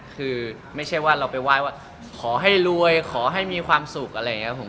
คือไม่ใช่ว่าเราไปไหว้ว่าขอให้รวยขอให้มีความสุขอะไรอย่างนี้ครับผม